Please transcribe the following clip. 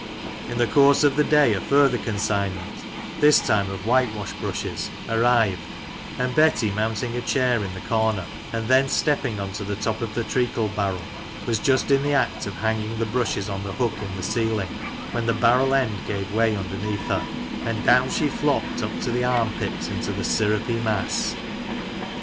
In the course of the day a further consignment—; this time, of whitewash brushes — ^^arrived, and Betty, mount* ing a chair in the corner, and thence stepping on to the top of the treacle barrel, was just in the act of hanging the brushes on the hook in the ceiling, when the barrel end gave way underneath her, and down she flopped up to the arm pits into the syrupy mass